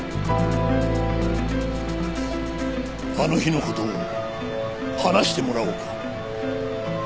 あの日の事を話してもらおうか。